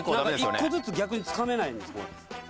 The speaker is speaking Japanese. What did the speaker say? １個ずつ逆につかめないんです